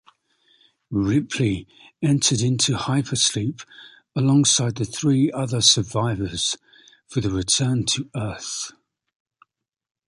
Ripley enters into hypersleep alongside the three other survivors for the return to Earth.